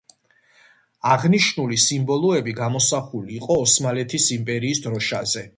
აღნიშნული სიმბოლოები გამოსული იყო ოსმალეთის იმპერიის დროშაზე.